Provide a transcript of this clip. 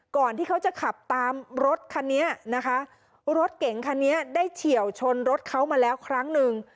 ก่อนที่เขาจะขับตามรถคันนี้นะคะรถเก๋งคันนี้ได้เฉียวชนรถเขามาแล้วครั้งหนึ่ง